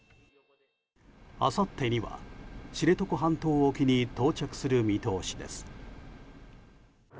あさってには知床半島沖に到着する見通しです。